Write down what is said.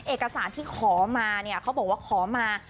เอกสารที่ขอมาเนี่ยเขาบอกว่าขอมา